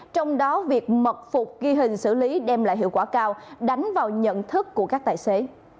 trong đó việc mật phục ghi hình xử lý đem lại hiệu quả cao đánh vào nhận thức của các tài xế